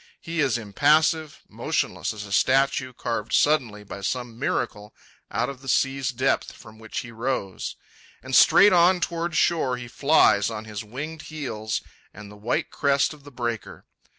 He is impassive, motionless as a statue carved suddenly by some miracle out of the sea's depth from which he rose. And straight on toward shore he flies on his winged heels and the white crest of the breaker.